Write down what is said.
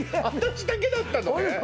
私だけだったのね